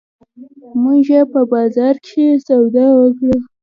مونږه په بازار کښې سودا وکړه